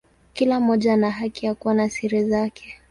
Kila mmoja ana haki ya kuwa na siri zake.